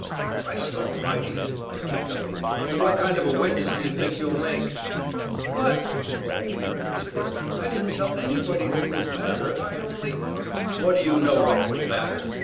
"Christ almighty!" cried Guffey. "And what kind of a witness do you think you'll make?" "But," cried Peter in despair, "I didn't tell anybody that would matter. I only " "What do you know what would matter?"